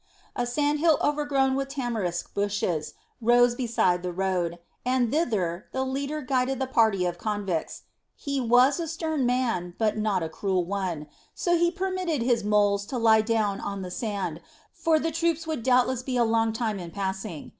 A sand hill overgrown with tamarisk bushes rose beside the road, and thither the leader guided the party of convicts. He was a stern man, but not a cruel one, so he permitted his "moles" to lie down on the sand, for the troops would doubtless be a long time in passing.